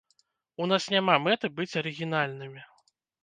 У нас няма мэты быць арыгінальнымі.